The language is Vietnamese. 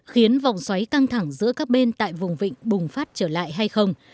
khiến vòng xoáy căng thẳng giữa các bên tại vùng vịnh bùng phát trở lại hay không